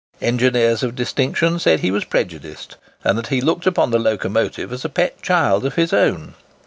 Engineers of distinction said he was prejudiced, and that he looked upon the locomotive as a pet child of his own.